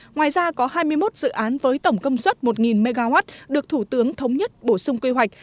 ngoài ra có hai mươi một dự án với tổng công suất một mw được thủ tướng thống nhất bổ sung quy hoạch